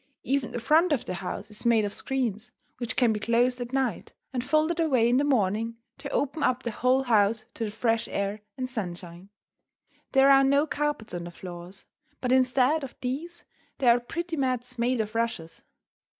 Even the front of the house is made of screens, which can be closed at night, and folded away in the morning to open up the whole house to the fresh air and sunshine. There are no carpets on the floors, but instead of these there are pretty mats made of rushes.